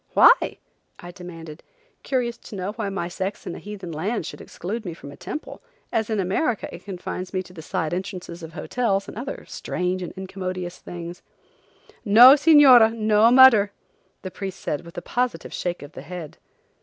"Why?" I demanded, curious to know why my sex in heathen lands should exclude me from a temple, as in America it confines me to the side entrances of hotels and other strange and incommodious things. "No, Señora, no mudder," the priest said with a positive shake of the head.